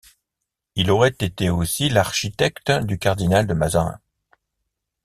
Il aurait aussi été l'architecte du cardinal de Mazarin.